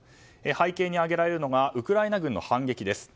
背景に挙げられるのがウクライナ軍の反撃です。